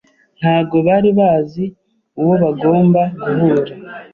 Ntabwo bari bazi uwo bagomba guhura.